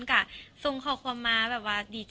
ตอนนี้เอาไปทางข้าง